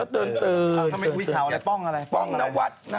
ทำไมคุยข่าวอะไรป้องอะไร